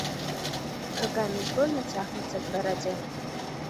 Рука міжвольна цягнецца к барадзе.